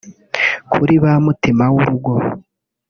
Kuri ba mutima w’urugo